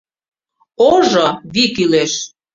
Ожо, вий кӱлеш!